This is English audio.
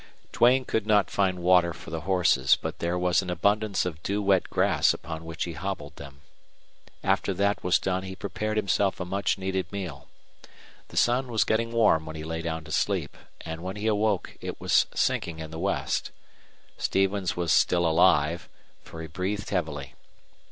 Duane could not find water for the horses, but there was an abundance of dew wet grass upon which he hobbled them. After that was done he prepared himself a much needed meal. The sun was getting warm when he lay down to sleep, and when he awoke it was sinking in the west. Stevens was still alive, for he breathed heavily.